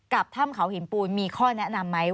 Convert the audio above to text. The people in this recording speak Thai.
ถ้ำเขาหินปูนมีข้อแนะนำไหม